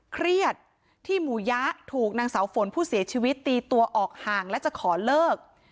เครียดที่หมู่ยะถูกนางเสาฝนผู้เสียชีวิตตีตัวออกห่างและจะขอเลิก